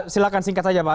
silahkan singkat saja pak